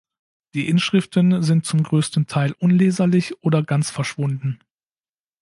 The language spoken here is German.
Die Inschriften sind zum größten Teil unleserlich oder ganz verschwunden.